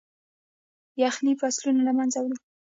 يخني فصلونه له منځه وړي.